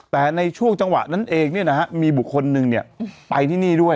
แต่ในช่วงจังหวะนั้นเองมีบุคคลหนึ่งไปที่นี่ด้วย